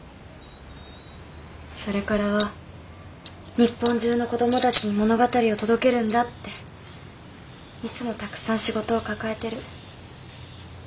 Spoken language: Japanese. それからは日本中の子どもたちに物語を届けるんだっていつもたくさん仕事を抱えてる。